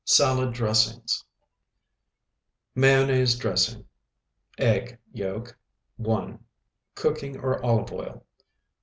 SALAD DRESSINGS MAYONNAISE DRESSING Egg yolk, 1. Cooking or olive oil.